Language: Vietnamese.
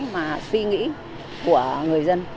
mà suy nghĩ của người dân